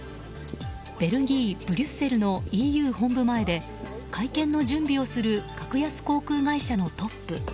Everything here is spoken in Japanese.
ベルギー・ブリュッセルのＥＵ本部前で会見の準備をする格安航空会社のトップ。